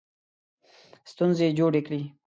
ستونزې جوړې کړې.